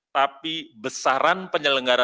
tapi besaran penyelenggaraan